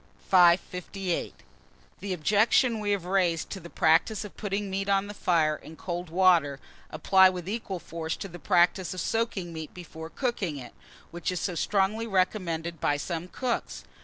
558. THE OBJECTIONS WE HAVE RAISED to the practice of putting meat on the fire in cold water, apply with equal force to the practice of soaking meat before cooking it, which is so strongly recommended by some cooks.